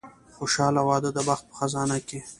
خوشاله واده د بخت په خزانه کې.